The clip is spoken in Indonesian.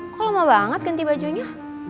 kok lama banget ganti bajunya